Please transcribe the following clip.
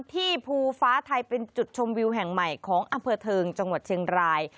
ภูฟ้าไทยเป็นจุดชมวิวแห่งใหม่ของอำเภอเทิงจังหวัดเชียงราย